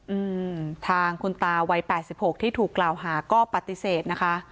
อืมทางคุณตาวัยแปดสิบหกที่ถูกกล่าวหาก็ปฏิเสธนะคะ